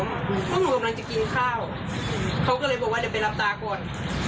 พวกหนูกำลังจะกินข้าวเขาก็เลยบอกว่าเดี๋ยวไปรับตาก่อน